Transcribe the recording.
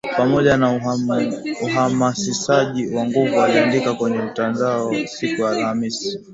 pamoja na uhamasishaji wa nguvu aliandika kwenye mtandao siku ya Alhamisi